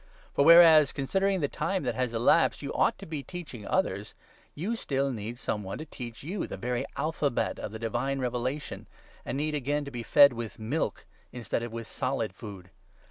For whereas, 12 Cpol*tion* cons'dering the time that has elapsed, you ought to be teaching others, you still need some one to teach you the very alphabet of the Divine Revela tion, and need again to be fed with ' milk ' instead of with 'solid food.'